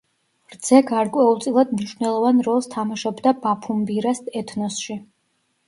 რძე გარკვეულწილად მნიშვნელოვან როლს თამაშობდა ბაფუმბირას ეთნოსში.